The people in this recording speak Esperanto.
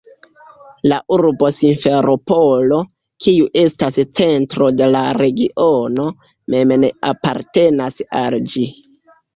La urbo Simferopolo, kiu estas centro de la regiono, mem ne apartenas al ĝi.